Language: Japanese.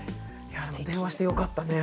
いや電話してよかったね。